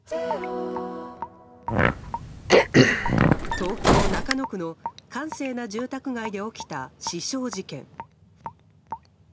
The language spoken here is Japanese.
東京・中野区の閑静な住宅街で起きた刺傷事件。